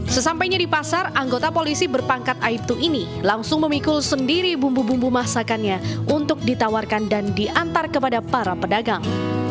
sesampainya di pasar anggota polisi berpangkat aibtu ini langsung memikul sendiri bumbu bumbu masakannya untuk ditawarkan dan diantar kepada para pedagang